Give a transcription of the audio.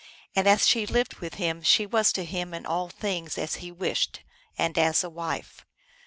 And as she lived with him she was to him in all things as he wished, and as a wife.